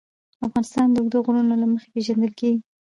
افغانستان د اوږده غرونه له مخې پېژندل کېږي.